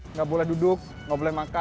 nggak boleh duduk nggak boleh makan